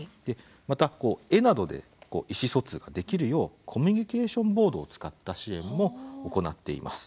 また絵などで意思疎通ができるようコミュニケーションボードを使った支援も行っています。